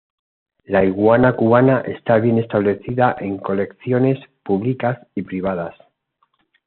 La iguana cubana está bien establecida en colecciones públicas y privadas.